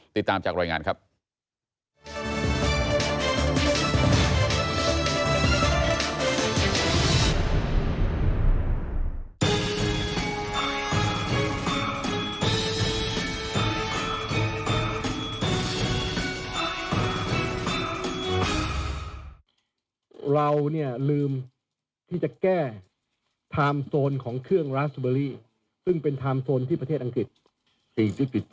ติดตามจากรายงานครับ